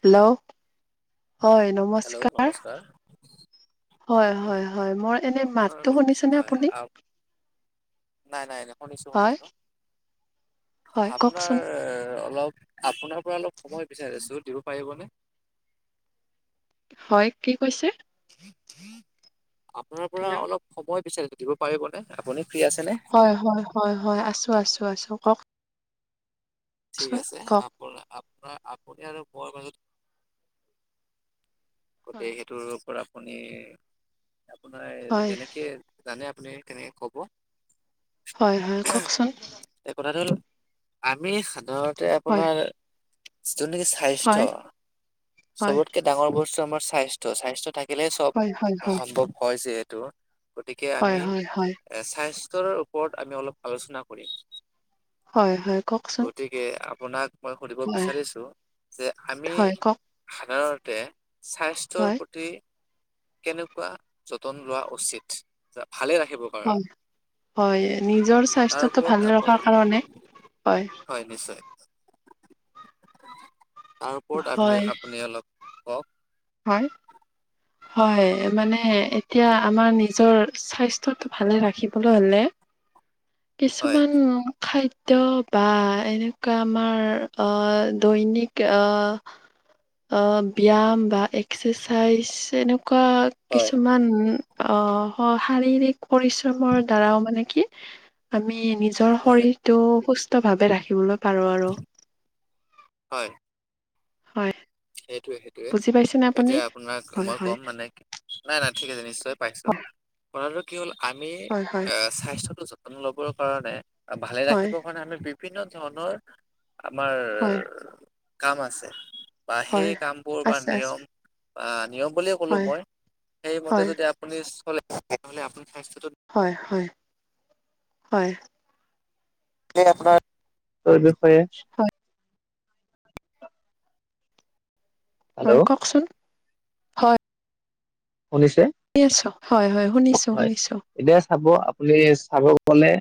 Hello হয় নমস্কাৰ হয় হয় হয় মোৰ এনে আপোনাৰ মাতটো শুনিছনে হয় আপুনি আপ নাই নাই নাই শুনিছো হয় শুনিছো হয় আপোনাৰ কওকচোন অলপ আপোনাৰ পৰা অলপ সময় বিচাৰি আছো দিব পাৰিবনে হয় কি কৈছে আপোনাৰ পৰা হেল্ল' অলপ সময় বিচাৰিচো দিব পাৰিবনে আপুনি ফ্ৰী আছেনে হয় হয় হয় হয় আছো আছো আছো কওক ঠিক আছে আপ কওক। আপোনাৰ আপুনি আৰু মোৰ মাজত গতিকে হয়। সেইটোৰ ওপৰত আপুনি আপোনাৰ হয় যেনেকে জানে আপুনি তেনেকে কব হয় হয় কওকচোন এই কথাটো হ'ল আমি সাধাৰণতে হয় আপোনাৰ যোন নেকি হয় স্বাস্থ্য হয় চবতকে ডাঙৰ বস্তু আমাৰ স্বাস্থ্য স্বাস্থ্য থাক কিলে চব হয় হয় হয়। সম্ভৱ হয় যিহেতু গতিকে হয় আমি হয় হয় চাই ওপৰত আমি অলপ আলোচনা কৰিম হয় হয় কওকচোন গতিকে আপোনাক মই সুধিব হয় বিচাৰিছো যে আমি হয় কওক সাধাৰণতে স্বাস্থ্যৰ হয়। প্ৰতি কেনেকুৱা যতন লোৱা উচিত ভালে ৰাখিব হয় কাৰণ হয় নিজৰ তাৰ স্বাস্থ্যটো ওপৰত ভালে আপুনি ৰখাৰ কাৰণে হয় হয় নিশ্চয় তাৰ ওপৰত হয় আপ আপুনি অলপ কওক হয় হয় মানে এতিয়া আমাৰ নিজৰ স্বাস্থ্যটো ভালে ৰাখিবলৈ হলে [unintelligible] কিছুমান খাদ বা এনেকুৱা আমাৰ আহ দৈনিক আহ অ ব্যয়াম বা এক্সাৰচাইজ এনেকুৱা হয় কিছুমান অ শাৰীৰিক পৰিশ্ৰমৰ দ্বাৰাও মানে কি আমি নি নিজৰ হয় শৰীৰটো সুস্থ ভাৱে ৰাখিবলৈ পাৰো আৰু হয় হয় সেইটোৱে সেইটোৱে বুজি পাইছেনে আপুনি এতিয়া আপোনাক হয় মই হয় কম মানে নাই নাই ঠিক আছে নিশ্চয় পাইছো হয় কথাটো কি হ'ল আমি হয় এ স্বাস্থ্যতো যতন ল'বৰ কাৰণে ভালে হয় ৰাখিবৰ কাৰণে আমি বিভিন্ন ধৰণৰ আমাৰ হয় কাম আছে বা সেই হয় কামবোৰ বা আছে আছে নিয়ম অ নিয়ম বুলিয়ে ক'লো হয় মই সেইমতে হয় যদি আপুনি চলে তেনেহলে স্বাস্থ্যটো হয় হয় হয় আপোনাৰ বিষয়ে হয়, হয় হেল্ল' কওকচোন হয় শুনিছে শুনি আছোঁ। হয় হয় শুনিছোঁ, হয় শুনিছোঁ। এতিয়া চাব আপুনি চাব গলে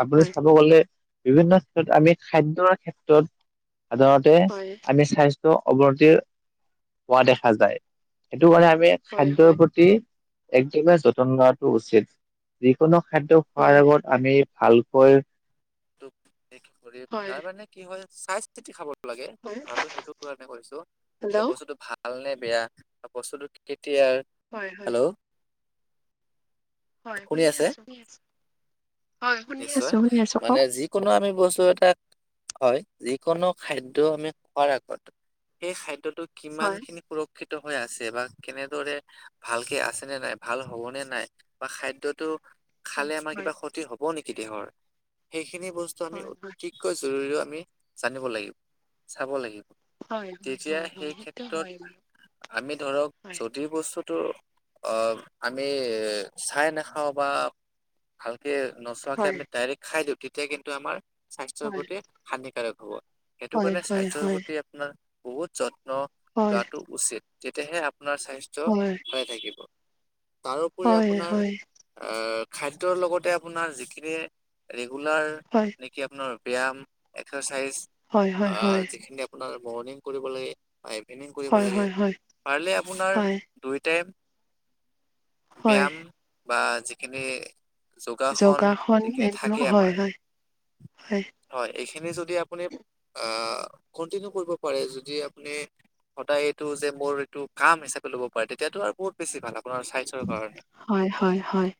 আপুনি হয়, চাব গলে বিভিন্ন ক্ষেত্ৰত আমি খাদ্যৰ ক্ষেত্ৰত সাধাৰণতে হয়, আমি স্বাস্থ্যৰ অৱনতিৰ হোৱা দেখা যায়। সেইটো কাৰণে আমি হয়, খাদ্যৰ হয়, প্ৰতি একদমে যত্ন লোৱাটো উচিত যিকোনো খাদ্য খোৱাৰ হয়, আগত আমি ভালকৈ কি কৰি হয়, তাৰ মানে কি হয় চাই চিতি খাব। লাগে হয়, কথাটো সেইটো কাৰণে কৈছো যে হেল্ল' বস্তুতটো ভাল নে বেয়া বস্তুটো কেতিয়াৰ হয়, হয়, হেল্ল' হয় শুনি আছো শুনি আছো নিশ্চয় মানে যিকোনো আমি বস্তু এটাক হয় যিকোনো খাদ্যয় আমি খোৱাৰ আগত সেই খাদ্যটো কিমান হয়, খিনি দূষিত হৈ আছে বা কেনেদৰে ভালকে আছেনে নাই ভাল হ'বনে নাই বা খাদ্য টো হয়, খালে আমাৰ হয়, কিবা ক্ষতি হব নেকি দেহৰ সেইখিনি বস্তু আমি হয়, হয়। অতিকৈ জৰুৰী আমি জানিব লাগিব চাব লাগিব। হয়, হয়, তেতিয়া হয়, হয়, সেই সেইটো ক্ষেত্ৰত হয় বাৰু হয়, আমি ধৰক হয়, হয়। যদি বস্তুটো অ আমি চাই নাখাওঁ বা ভালকে নচোৱাকে হয়, আমি ডাইৰেক্ট খাই দিওঁ তেতিয়া কিন্তু আমাৰ স্বাস্থ্যৰ প্ৰতি হানিকাৰক হব সেইটো হয়, কাৰণে হয়, স্বাস্থ্যৰ হয়, হয়, হয়, হয়, হয়। প্ৰতি আপোনাৰ বহুত যত্ন লোৱাটো উচিত তেতিয়াহে আপোনাৰ স্বাস্থ্য হয়, ভালে থাকিব তাৰোপৰি হয়, আপোনাৰ হয়, আহ খাদ্যৰ লগতে আপোনাৰ যিখিনি দোলাৰ হয়, নেকি আপোনাৰ ব্যায়াম এক্সাৰচাইজ আ যিখিনি আপোনাৰ মৰ্ণিং কৰিব লাগে বা ইভিনিং কৰিব হয়, লাগে হয়, পাৰিলে আপোনাৰ হয়, দুই টাইম হয়। ব্যায়াম বা যিখিনি যোগাসন যিখিনি এইবিলাক থাকে হয়, আমাৰ হয়, হয় এইখি নি যদি আপুনি অ কন্টিনিউ কৰিব পাৰে যদি আপুনি সদায় এইটো যে মোৰ এইটো কাম হিচাপে ল'ব পাৰে তেতিয়াতো আৰু বহুত বেছি ভাল আপোনাৰ স্বাস্থ্যৰ কাৰণে হয়, হয়, হয়।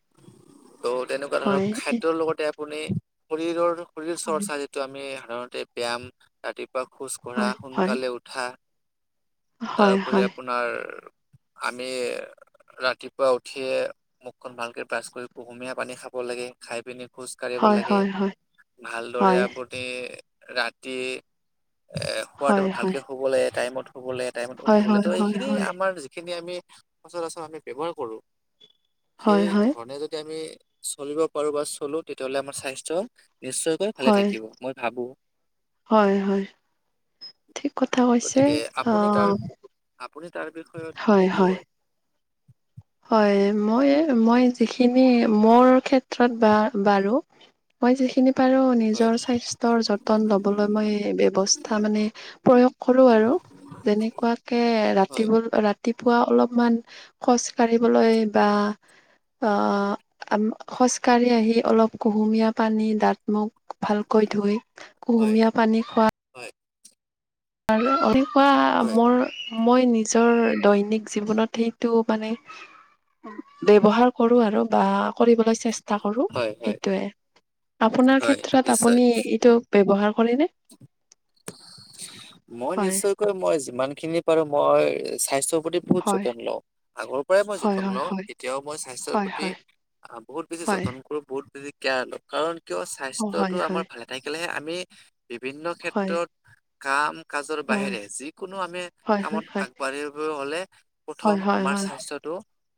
ত' তেনেকোৱা ধৰক হয়, খাদ্যৰ লগতে আপুনি শৰীৰৰ শৰীৰ চৰ্চা যিটো আমি সাধাৰণতে ব্যায়াম ৰাতিপুৱা খোজ কঢ়া হয়, হয়, হয়, সোনকালে উঠা হয়, তাৰোপৰি আপোনাৰ আমি ৰাতিপুৱা উঠিয়ে মুখখন ভালকে ব্ৰাছ কৰিব। কুহুমীয়া পানী খাব লাগে খাই পিনি খোজ কাঢ়িব হয়, হয়, লাগে হয়, হয়, ভালদৰে হয়, আপুনি ৰাতি এ শুৱ হয়, টাইমত ভালকে শুব ললে টাইমত শুব লাগে টাইমত হয়, হয়, উঠিব লাগে হয়, ত' হয়, হয়, এইখিনি আমাৰ যিখিনি আমি সচৰাচৰ আমি ব্যৱহাৰ কৰো সেই হয়, ধৰণে যদি আমি চলিব পাৰো বা চলো তেতিয়াহলে আমাৰ স্বাস্থ্য নিশ্চয়কৈ ভালে হয়, থাকিব মই ভাবো হয়, হয়, ঠিক কথা কৈছে গতিকে আপুনি তাৰ অহ আপুনি তাৰ বিষয়ত কি কব হয় মই মই যিখিনি মোৰ ক্ষেত্ৰত বা বাৰু মই যিখিনি বাৰু হয় নিজৰ স্বাস্থ্যৰ যতন ল'বলৈ মই ব্যৱস্থা মানে প্ৰয়োগ কৰো আৰু যেনেকোৱাকে ৰাতি হয় ৰাতিপুৱা অলপমান খচ কাঢ়িবলৈ বা অহ খোজকাঢ়ি আহি অলপ কুহুমীয়া পানী দাঁত মুখ ভালকৈ ধুই হয় কুহুমীয়া পানী খোৱা হয় এনেকোৱা হয় মোৰ মই নিজৰ দৈনিক জীৱনত সেইটো মানে ব্যৱহাৰ কৰো আৰু বা কৰিবলৈ চেষ্টা কৰো হয় হয় সেইটোৱে আপোনাৰ হয় ক্ষেত্ৰত নিশ্চয়। আপুনি এইটো ব্যৱহাৰ কৰেনে মই হয় নিশ্চয়কৈ মই যিমান খিনি পাৰো মই স্বাস্থ্য প্ৰতি বহুত হয় যতন লওঁ আগৰ পৰাই মই হয় যতন হয় লওঁ হয় এতিয়াও মই স্বাস্থ্যৰ হয় প্ৰতি হয় বহুত বেছি হয় যতন কৰো বহুত যেতিয়া কাৰণ কিয় অ স্বাস্থ্যটো হয় আমাৰ হয় ভালে থাকিলেহে আমি বিভিন্ন হয় ক্ষেত্ৰত কাম কাজৰ হয় বাহিৰে যিকোনো আমি হয় হয় কামত হয় আগবাঢ়িব হ'লে প্ৰথম হয় হয় আমাৰ হয় স্বাস্থ্যটো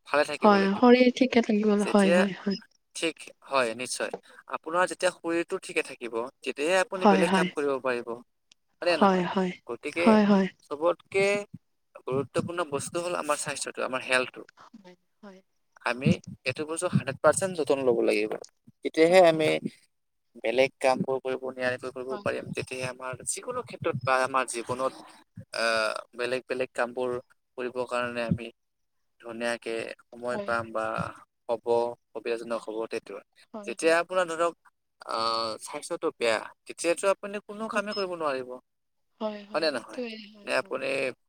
ভালে থাকিব হয় লাগিব শৰীৰ ঠিকে থাকিবলৈ হয় যেতিয়া হয় হয় ঠিক হয় নিশ্চয় আপোনাৰ যেতিয়া শৰীৰটো ঠিকে থাকিব তেতিয়াহে আপুনি হয় বেলেগ কাম হয় কৰিব পাৰিব হয়নে হয় নহয় হয় গতিকে হয় হয় চবত কে গুৰুত্বপূৰ্ণ বস্তু হ'ল আমাৰ স্বাস্থ্যটো আমাৰ হেল্থ হয় আমি এইটো বস্তু হাড্ৰেড পাৰ্চেন্ট যতন ল'ব লাগিব তেতিয়াহে হয় হয় আমি বেলেগ কামবোৰ কৰিব নিয়াৰিকৈ হয় হয় তেতিয়া আমাৰ যিকোনো ক্ষেত্ৰত বা আমাৰ জীৱনত আহ বেলেগ বেলেগ কাম বোৰ কৰিব কাৰণে আমি ধুনীয়া তাকে সময় হয় পাম বা হ'ব সুবিধাজনক হ'বত হয় হয় যেতিয়া আপোনাৰ ধৰক আহ স্বাস্থ্য টো বেয়া তেতিয়াতো আ পুনি কোনো কামেই কৰিব নোৱাৰিব হয় হয় নে নহয় সেইটোৱে হয় নে হয় আপুনি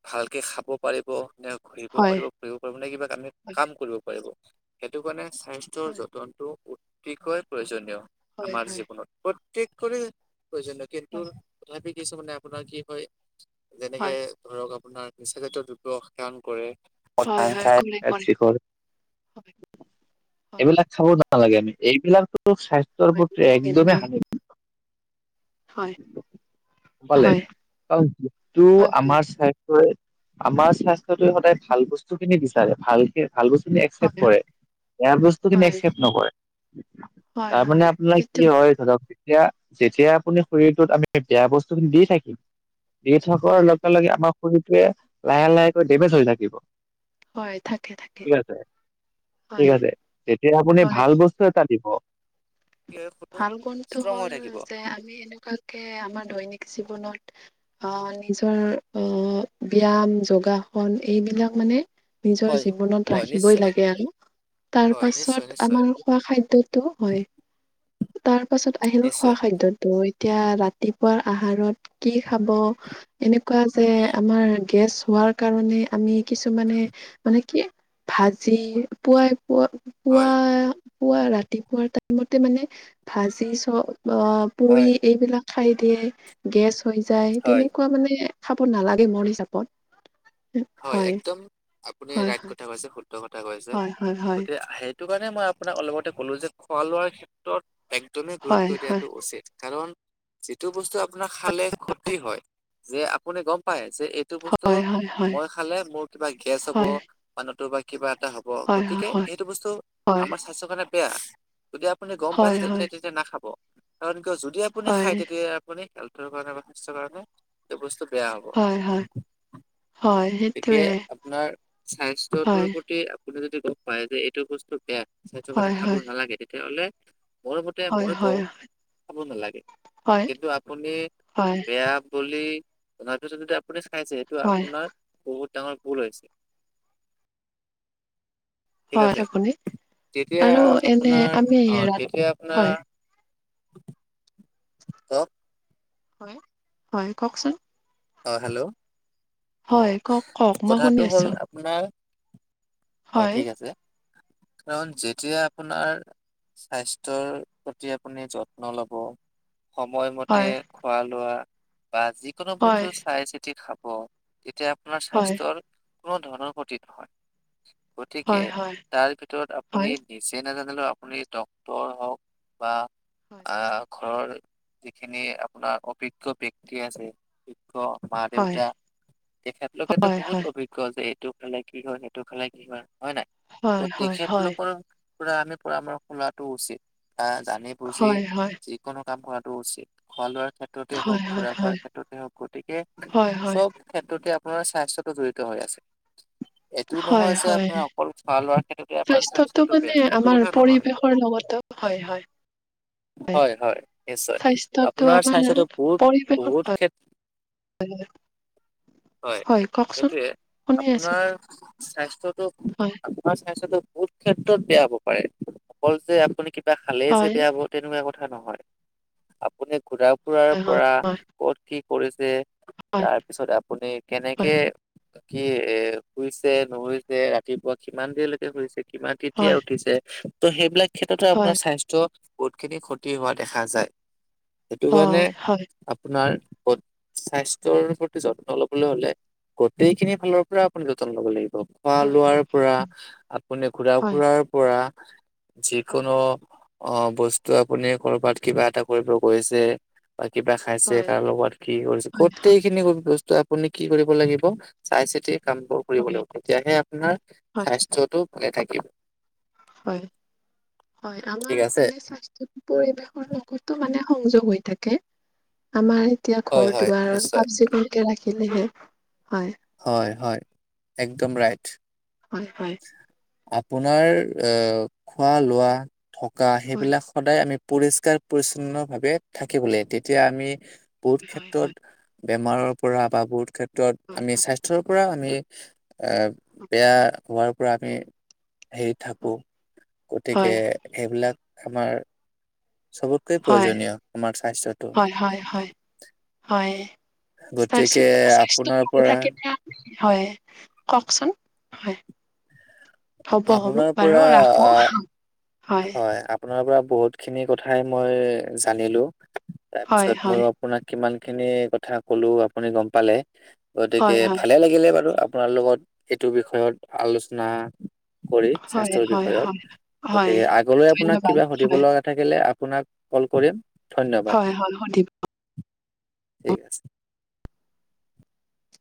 ভালকে খাব পাৰিব নে ঘূৰিব হয় পাৰিব ফুৰিব পাৰিব নে কিবা আমি হয় কাম কৰিব পাৰিব। সেইটো কাৰণে স্বাস্থ্যৰ যতনটো অতিকৈ প্ৰয়োজনীয়। হয় আমাৰ হয় হয় জীৱনত প্ৰত্যকৰে প্ৰয়োজনীয় কিন্তু তথাপি কিছু মানে আপোনাৰ কি হয় হয় যেনেকে হয় ধৰক আপোনাৰ নিচা জাতীয় দ্ৰব্য সেৱন কৰে। হয় ভাং হয় খাই কৰে কৰে হয় হয় এইবিলাক খাব নালাগে আমি এইবিলাকতো স্বাস্থ্যৰ হয় প্ৰতি মোৰ ফ্ৰেণ্ড একদমেই হয় হানিকাৰক। হয় পালে হয় কাৰ যিটো হয় হয় আমাৰ স্ব আমাৰ স্বাস্থ্য সদায় ভাল বস্তু খিনি বিচাৰে ভালকে ভাল বস্তু কি একচেপ্ হয় কৰে বেয়া বস্তু কিন্তু হয় একচেপ্ নকৰে। হয় তাৰমানানে হয় আপোনাৰ সেইটো কি হয় ধৰক যেতিয়া যেতিয়া আপুনি শৰীৰটোত আমি বেয়া বস্তু খিনি দি থাকিম দি থাক হয় লগে লগে আমাৰ শৰীৰটোৱে লাহে লাহেকৈ দেমেচ হৈ থাকিব। হয় থাকে থাকে ঠিক আছে ঠিক হয় আছে তেতিয়া আপুনি হয় ভাল বস্তু এটা দিব ভাল গুণটো ষ্ট্ৰং হ'ল হৈ থাকিব যে আমি এনেকোৱাকে আমাৰ দৈনিক জীৱনত অহ নিজৰ অহ ব্যয়াম যোগাসন এইবিলাক মানে নিজৰ হয় জীৱনত হয় ৰাখিবই নিশ্চয় লাগে, আৰু তাৰ হয় নিশ্চয় পাছত নিশ্চয় আমাৰ খোৱা খাদ্যটো হয় তাৰ পাছত আহিল খোৱা নিশ্চয় খাদ্যতো এতিয়া ৰাতিপুৱাৰ আহাৰত কি খাব এনেকোৱা যে আমাৰ গেছ হোৱা ৰ কাৰণে আমি কিছুমানে মানে কি ভাজি পুৱাই পুৱা, পুৱা, হয় পুৱা ৰাতিপুৱাৰ টাইমতে মানে ভাজি ছবজী বা পুৰি হয় এইবিলাক খাই দিয়ে গেছ হৈ যায় হয় তেনেকোৱা মানে খাব নালাগে মোৰ হিচাপত হয় একদম আপুনি হয় ৰাইট হয় কথা কৈছে শুদ্ধ কথা কৈছে হয় হয় হয় গতিক সেইটো সেই কাৰণে মই আপোনাক অলপতে ক'লো যে খোৱা লোৱাৰ ক্ষেত্ৰত একদমেই হয় হয় গুৰুত্ব দিয়াটো উচিত কাৰণ, যিটো বস্তু আপোনাৰ খালে ক্ষতি হয় যে আপুনি গম পায় যে এইটো বস্তু হয় হয় হয় মই খালে মোৰ কিবা গেছ হ'ব হয় বা নতুবা কিবা হব হয় হয় গতিকে হয় সেইটো বস্তু হয় আমাৰ স্বাস্থ্যৰ কাৰণে বেয়া। যদি আপুনি গম পাইছে হয় হয় তেতিয়া তেতিয়া নাখাব কাৰণ কিয় যদি আপুনি হয়, খায় তেতিয়া আপুনি হ কাৰণ বা স্বাস্থ্যৰ কাৰণে এই বস্তু বেয়া হব হয়, হয়, আৰু হয়, গতিকে সেইটোৱে। আপোনাৰ স্বাস্থ্যটোৰ হয়, প্ৰতি আপুনি যদি গম পায় যে এইটো বস্তু বেয়া স্বাস্থ্যৰ কাৰণে হয়, খাব হয়, নালাগে তেতিয়াহ'লে মোৰ মতে হয়, মই কও হয়, খাব নালাগে হয়, কিন্তু আপুনি হয়, বেয়া বুলি জনাৰ পিছত যদি আপুনি খাইছে এইটো হয়, আপোনাৰ বহুত ডাঙৰ ভুল হৈছে। ঠিক হয়, আছে আপুনি তেতিয়া আৰু এনে আপোনাৰ আমি অ ৰাত তেতিয়া আপোনাৰ হয়, ত হয় হয় কওকচোন অ হেল্ল' অ হয়, কওক, কওক, মই কথাটো শুনি হ'ল আছো। আপোনাৰ হয় ঠিক আছে কাৰণ যেতিয়া আপোনাৰ স্বাস্থ্যৰ প্ৰতি আপুনি যত্ন ল'ব সময়মতে হয়, খোৱা লোৱা, বা যি হয়, চাই চিতি খাব এতিয়া আপোনাৰ হয়, স্বাস্থ্যৰ কোনো ধৰণৰ ক্ষতি নহয় গতিকে হয়, হয়, তাৰ ভিতৰত আপুনি হয়। নিজে নাজানে আপুনি ডক্তৰ হওক বা হয়, আ ঘৰৰ যিখিনি আপোনাৰ অভিজ্ঞ ব্যক্তি আছে অভিজ্ঞ- মা হয়, দেউতা তেখেত লোকেতো হয়, বহুত অভিজ্ঞ যে এইটো খালে কি হয় সেইটো খালে কি হয়। হয় নাই হয়, ত' হয়, হয়, হয়, হয়। তেখেতলোকৰ পৰা আমি পৰামৰ্শ লোৱাটো উচিত, আহ জানি বুজি হয়, হয়, যিকোনো কাম কৰা উচিত, খোৱা লোৱাৰ ক্ষেত্ৰতে হওক হয়, ঘুৰা ফুৰা হয়, ক্ষেত্ৰতে হওক গতিকে হয়, চব ক্ষেত্ৰতে পৰা স্বাস্থ্যতো জড়িত হৈ আছে এইটো হয়, নহয় যে হয়, আপোনাৰ অকল খোৱা লোৱাৰ ক্ষেত্ৰতে আপোনাৰ স্বাস্থ্যটো বেয়া, সেইটো কথা নহয় পতক হয় হয় হয় হয় নিশ্চয়, স্বাস্থ্যটো আপোনাৰ আমাৰ স্বাস্থ্যটো বহুত পৰিৱেশত বহুত হয়, ক্ষে হয়, সেইটোৱে শুনি আছো আপোনাৰ স্বাস্থ্যটো হয়, আপোনাৰ স্বাস্থ্যটো বহুত ক্ষেত্ৰত বেয়া হব পাৰে অকল যে আপুনি খালেই যে হয়, বেয়া হব্ তেনেকোৱা কথা নহয়, আপুনি ঘুৰা ফুৰাৰ হয়, পৰা, হয়, কত কি কৰিছে হয়, তাৰপিছত আপুনি কেনেকে হয়, কি এ শুইছে নুশুইছে ৰাতিপুৱা কিমান দেৰিলৈকে শুইছে কেতিয়া হয়, উঠিছে, ত' সেইবিলাক ক্ষেত্ৰতে হয়, আপোনাৰ হয়, স্বাস্থ্য বহুত খিনি ক্ষতি হোৱা দেখা যায়, সেইটো কাৰণে হয়, হয়, হয়, আপোনাৰ স্বাস্থ্যৰ প্ৰতি যত্ন ল'বলৈ হলে গোটেইখিনি ফালৰ পৰা আপুনি যতন ল'ব লাগিব। খোৱা হয়, হয়, হয়, হয়, হয়, লোৱাৰ হয়, পৰা আপুনি ঘুৰা ফুৰাৰ পৰা যিকোনো অ বস্তু আপুনি কৰবাত কিবা এটা কৰিব গৈছে, বা কিবা খাইছে কাৰ লগত কি কৰিছে গোটেই খিনি বস্তু আপুনি কি কৰিব লাগিব, চাই চিতি কাম বোৰ কৰিব হয়, লাগিব, তেতিয়াহে আপোনাৰ হয়, স্বাস্থ্যটো ভালে থাকিব। হয় হয়, আমাৰ ঠিক আছে। এনে স্বাস্থ্যৰ পৰিৱেশৰ এইটো মানে সংযোগ হৈ থাকে আমাৰ এতিয়া হয় ঘৰ হয় দুৱাৰ নিশ্চয়। চাফ চিকুণকে ৰাখিলেহে হয়, হয় হয় একদম ৰাইট হয় হয়। আপোনাৰ এ খোৱা লোৱা থকা হয়, সেইবিলাক সদায় আমি পৰিষ্কাৰ পৰিচ্ছন্ন ভাৱে থাকিব লাগে তেতিয়া আমি বহুত হয়, ক্ষেত্ৰত হয়, হয়, বেমাৰৰ পৰা বা বহুত ক্ষেত্ৰত হয়, হয়, হয়, আমি স্বাস্থ্যৰ পৰা আমি এ বেয়া হোৱাৰ পৰা আমি হেৰি থাকো গতিকে হয়, সেইবিলাক আমাৰ চবতকৈ হয় প্ৰয়োজনীয় আমাৰ স্বাস্থ্যটো হয় হয় হয় হয় গতিকে স্বাস্থ্যত স্বাস্থ্য আপোনাৰ ভালে পৰা থাকে না হয় কওকচোন হয়। হ'ব হ'ব আপোনাৰ বাৰু পৰা ৰাখো। আহ, হয় আপোনাৰ পৰা বহুতখিনি কথাই মই জানিলো। হয় তাৰপিছত মইয়ো হয় আপোনাক কিমান খিনি কথা কলো আপুনি গম পালে। গতিকে হয় হয় ভালে লাগিলে বাৰু আপোনাৰ লগত এইটো বিষয়ত আলোচনা কৰি হয় স্বাস্থ্যৰ হয় হয় বিষয়ত হয় গতিকে আগলৈ আপোনাক ধন্যবাদ কিবা সুধিব হয় লগা থাকিলে আপোনাক কল কৰিম। ধন্যবাদ হয় হয় সুধিব ঠিক আছে।